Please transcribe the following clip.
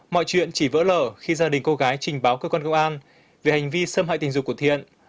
mọi chuyện chỉ vỡ lở khi gia đình cô gái trình báo cơ quan công an về hành vi xâm hại tình dục của thiện